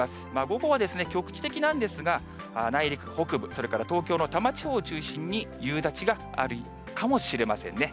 午後は局地的なんですが、内陸北部、それから東京の多摩地方を中心に、夕立があるかもしれませんね。